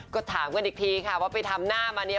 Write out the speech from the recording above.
ก็ถามกันอีกทีค่ะว่าไปทำหน้ามาเนี่ย